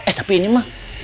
eh tapi ini mah